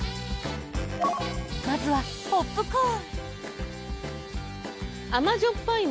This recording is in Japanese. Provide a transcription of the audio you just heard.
まずは、ポップコーン。